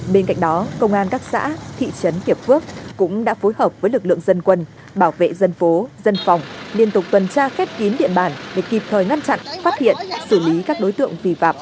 bên cạnh đó công an các xã thị trấn kiệp phước cũng đã phối hợp với lực lượng dân quân bảo vệ dân phố dân phòng liên tục tuần tra khép kín địa bàn để kịp thời ngăn chặn phát hiện xử lý các đối tượng vi phạm